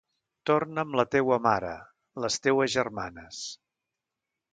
Torna amb la teua mare, les teues germanes.